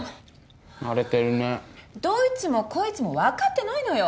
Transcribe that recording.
荒れてるねどいつもこいつも分かってないのよ